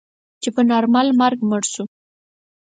چې په نارمل مرګ مړ شو.